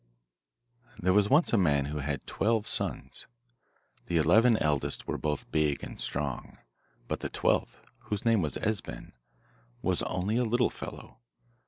There was once a man who had twelve sons: the eleven eldest were both big and strong, but the twelfth, whose name was Esben, was only a little fellow.